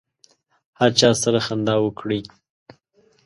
هر چا سره خندا وکړئ.